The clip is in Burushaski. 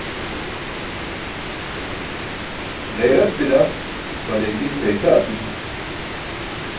Ġayrat bila, waliikin paysa api.